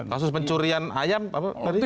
kasus pencurian ayam pak apa tadi